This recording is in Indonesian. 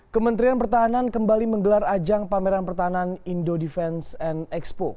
kementerian pertahanan kembali menggelar ajang pameran pertahanan indo defense and expo